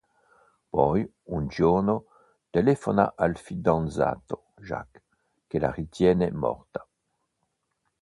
Poi, un giorno, telefona al fidanzato, Jacques, che la ritiene morta.